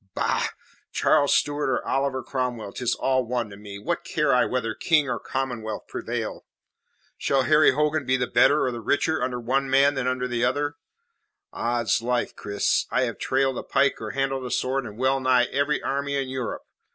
Bah! Charles Stuart or Oliver Cromwell, 'tis all one to me. What care I whether King or Commonwealth prevail? Shall Harry Hogan be the better or the richer under one than under the other? Oddslife, Cris, I have trailed a pike or handled a sword in well nigh every army in Europe.